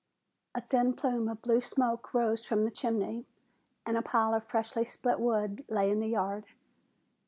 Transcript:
A thin plume of blue smoke rose from the chimney, and a pile of freshly split wood lay in the yard.